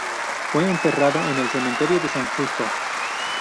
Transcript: Fue enterrado en el cementerio de San Justo.